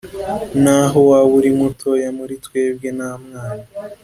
naho waba uri mutoya muri twebwe nta mwana